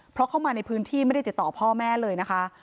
เพราะเข้ามาในพื้นที่ไม่ได้ติดต่อพ่อแม่เลยนะคะ